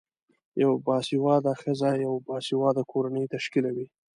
یوه باسیواده خځه یوه باسیواده کورنۍ تشکلوی